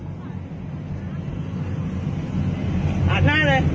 ตัดหน้าเลย